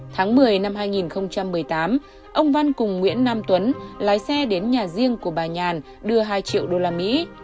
tháng một mươi năm hai nghìn một mươi tám ông văn cùng nguyễn nam tuấn lái xe đến nhà riêng của bà nhàn đưa hai triệu usd